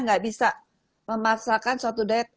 tidak bisa memasakkan suatu diet